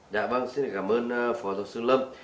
dạ vâng xin cảm ơn phó giáo sư lâm